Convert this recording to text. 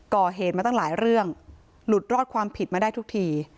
ก่อเหตุมาตั้งหลายเรื่องหลุดรอดความผิดมาได้ทุกที